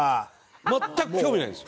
全く興味ないんですよ。